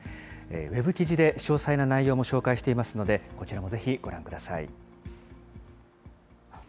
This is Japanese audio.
ウェブ記事で詳細な内容も紹介していますので、こちらもぜひご覧ください。